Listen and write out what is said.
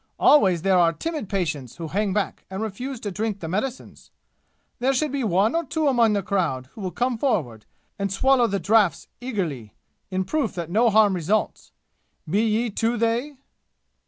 Always there are timid patients who hang back and refuse to drink the medicines. There should be one or two among the crowd who will come forward and swallow the draughts eagerly, in proof that no harm results. Be ye two they!"